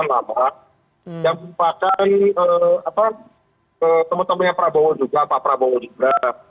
yang mempunyai teman temannya prabowo juga pak prabowo juga